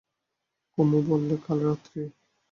কুমু বললে, কাল রাত্তিরে।